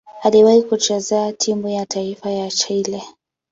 Aliwahi kucheza timu ya taifa ya Chile.